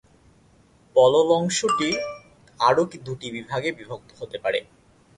পলল অংশটি আরও দুটি বিভাগে বিভক্ত হতে পারে।